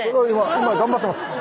今頑張ってます